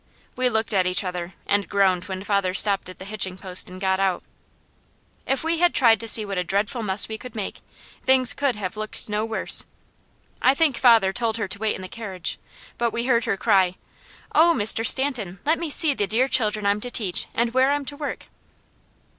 We looked at each other and groaned when father stopped at the hitching post and got out. If we had tried to see what a dreadful muss we could make, things could have looked no worse. I think father told her to wait in the carriage, but we heard her cry: "Oh Mr. Stanton, let me see the dear children I'm to teach, and where I'm to work."